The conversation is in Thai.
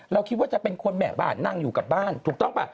เราคิดว่าจะเป็นคนแม่บ้านนั่งอยู่กับบ้านถูกต้องป่ะ